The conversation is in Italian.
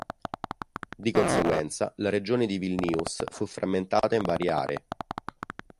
Di conseguenza la regione di Vilnius fu frammentata in varie aree.